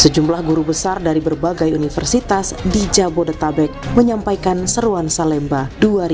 sejumlah guru besar dari berbagai universitas di jabodetabek menyampaikan seruan salemba dua ribu dua puluh